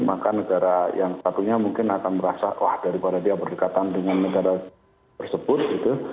maka negara yang satunya mungkin akan merasa wah daripada dia berdekatan dengan negara tersebut gitu